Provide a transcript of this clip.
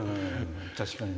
確かにね。